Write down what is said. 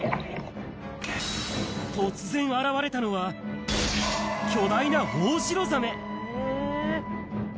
突然現れたのは、巨大なホホジロザメ。